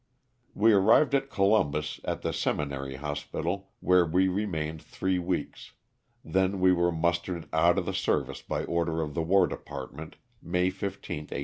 We arrived at Columbus at the Seminary Hospital where we remained three weeks, then we were mustered out of the service by order of the War Department May 15, 1805.